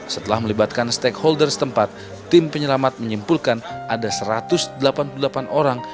setelah melibatkan stakeholder setempat tim penyelamat menyimpulkan ada satu ratus delapan puluh delapan orang